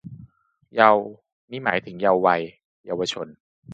เยาว์ นี้หมายถึง เยาว์วัย เยาวชน